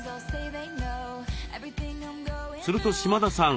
すると島田さん